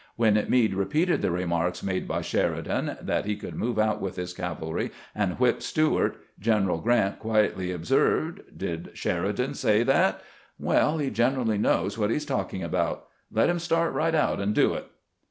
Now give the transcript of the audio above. When Meade repeated the remarks made by Sheridan, that he could move out with his cavalry and whip Stuart, General Grant quietly observed, " Did Sheridan say that ? Well, he generally knows what he is talking about. Let him start right out and do it."